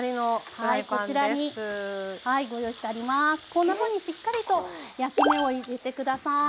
こんなふうにしっかりと焼き目を入れて下さい。